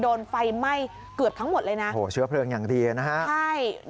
โดนไฟไหม้เกือบทั้งหมดเลยนะโอ้โหเชื้อเพลิงอย่างดีนะฮะใช่